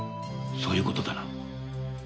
そういう事だな？